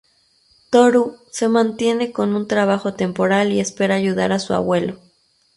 Tōru se mantiene con un trabajo temporal y espera ayudar a su abuelo.